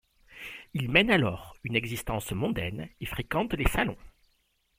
Il mène alors une existence mondaine et fréquente les salons.